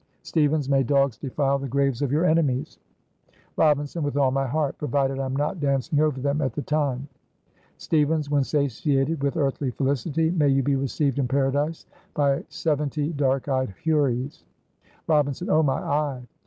Stevens. "'May dogs defile the graves of your enemies! '" Robinson. "With all my heart! provided I am not dancing over them at the time." Stevens. "When satiated with earthly felicity, may you be received in paradise by seventy dark eyed houris '" Robinson. "Oh! my eye!"